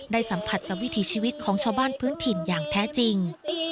สัมผัสกับวิถีชีวิตของชาวบ้านพื้นถิ่นอย่างแท้จริง